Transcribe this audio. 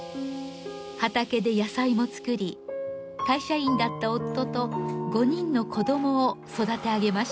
畑で野菜も作り会社員だった夫と５人の子どもを育て上げました。